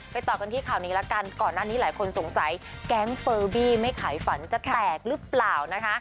ต่อกันที่ข่าวนี้ละกันก่อนหน้านี้หลายคนสงสัยแก๊งเฟอร์บี้ไม่ขายฝันจะแตกหรือเปล่านะคะ